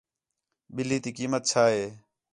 ٻِلّھی تی قیمت چَھا ہِے